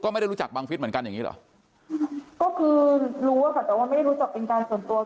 ไม่ได้รู้จักบังฟิศเหมือนกันอย่างงี้เหรอก็คือรู้อะค่ะแต่ว่าไม่ได้รู้จักเป็นการส่วนตัว